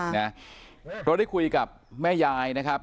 โดยได้คุยกับแม่ยายครับ